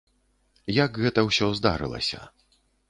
Як гэта ўсё здарылася.